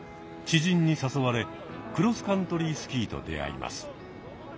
知人に誘われクロスカントリースキーと出会います。